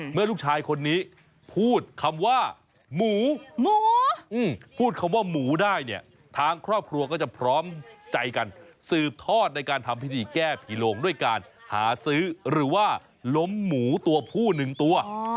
เมื่อลูกชายคนนี้พูดคำว่าหมูหมูพูดคำว่าหมูได้เนี่ยทางครอบครัวก็จะพร้อมใจกันสืบทอดในการทำพิธีแก้ผีโลงด้วยการหาซื้อหรือว่าล้มหมูตัวผู้หนึ่งตัว